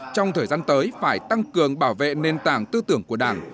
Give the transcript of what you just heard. trong thời gian tới phải tăng cường bảo vệ nền tảng tư tưởng của đảng